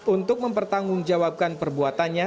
untuk mempertanggungjawabkan perbuatannya